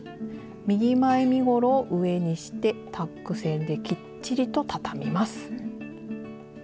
右前身ごろを上にしてタック線できっちりとたたみます。